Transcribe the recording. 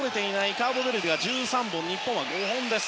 カーボベルデは１３本日本は５本です。